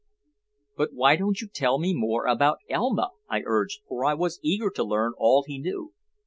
"But why don't you tell me more about Elma?" I urged, for I was eager to learn all he knew.